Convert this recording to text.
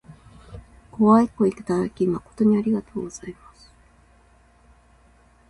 ご愛顧いただき誠にありがとうございます。